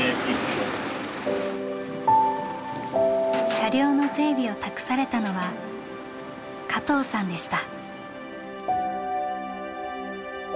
車両の整備を託されたのは加藤さんでした。